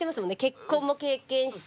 結婚も経験して。